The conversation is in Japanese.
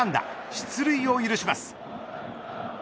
出塁を許します。